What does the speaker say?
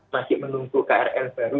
masih menunggu krl baru